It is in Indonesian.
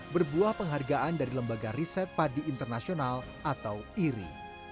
berbuah penghargaan dari lembaga riset padi internasional atau iri